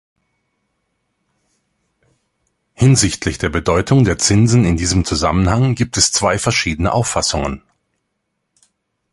Hinsichtlich der Bedeutung der Zinsen in diesem Zusammenhang gibt es zwei verschiedene Auffassungen.